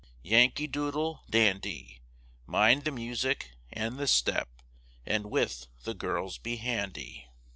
Yankee doodle, dandy, Mind the music and the step, And with the girls be handy.